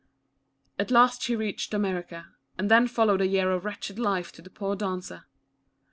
At last she reached America, and then fol lowed a year of wTetched life to the poor dancer.